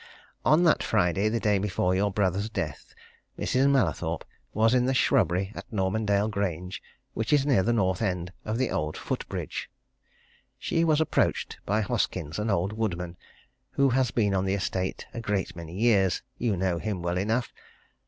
On that Friday, the day before your brother's death, Mrs. Mallathorpe was in the shrubbery at Normandale Grange which is near the north end of the old foot bridge. She was approached by Hoskins, an old woodman, who has been on the estate a great many years you know him well enough.